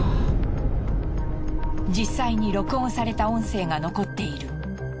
実際に録音された音声が残っている。